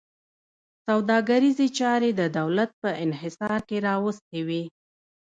سوداګریزې چارې د دولت په انحصار کې راوستې وې.